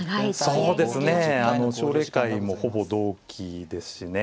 そうですね奨励会もほぼ同期ですしね。